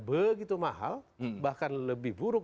begitu mahal bahkan lebih buruk